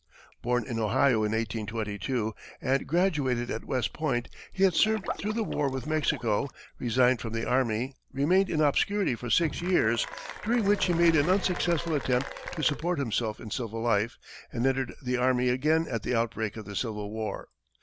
Born in Ohio in 1822, and graduated at West Point, he had served through the war with Mexico, resigned from the army, remained in obscurity for six years, during which he made an unsuccessful attempt to support himself in civil life, and entered the army again at the outbreak of the Civil War.